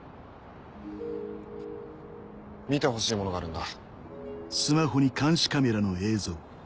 見てほしいものがあるんだ。